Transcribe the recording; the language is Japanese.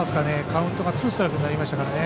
カウントがツーストライクになりましたからね。